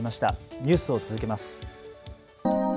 ニュースを続けます。